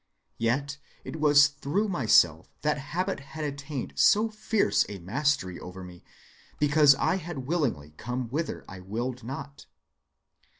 Yet it was through myself that habit had attained so fierce a mastery over me, because I had willingly come whither I willed not.